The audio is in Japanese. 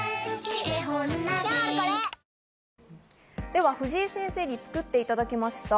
では藤井先生に作っていただきました。